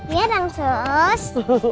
iya dang sus